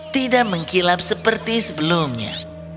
tidak mengkilap seperti sebelumnya